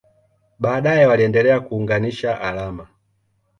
Baadaye waliendelea kuunganisha alama.